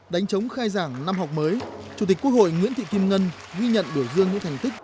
đánh chống khai giảng năm học mới chủ tịch quốc hội nguyễn thị kim ngân ghi nhận biểu dương những thành tích